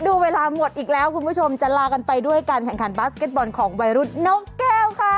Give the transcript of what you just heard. ดูเวลาหมดอีกแล้วคุณผู้ชมจะลากันไปด้วยการแข่งขันบาสเก็ตบอลของวัยรุ่นนกแก้วค่ะ